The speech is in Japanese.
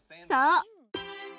そう！